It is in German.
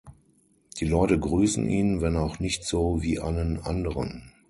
Die Leute grüßen ihn, wenn auch nicht so wie einen anderen.